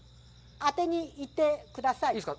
当てに行ってください。